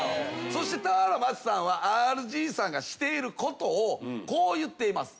そして俵万智さんはＲＧさんがしていることをこう言っています。